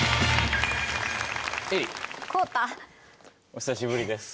お久しぶりです。